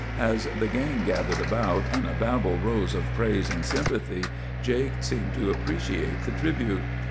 As the gang gathered about, and a babel arose of praise and sympathy, Jake seemed to appreciate the tribute.